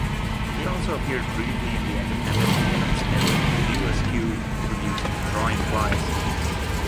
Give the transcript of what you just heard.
He also appeared briefly in the independent Kevin Smith View-Askew produced Drawing Flies.